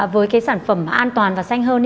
với cái sản phẩm an toàn và xanh hơn